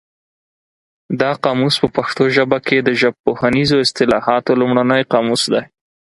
دا قاموس په پښتو ژبه کې د ژبپوهنیزو اصطلاحاتو لومړنی قاموس دی.